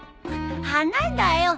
花だよ。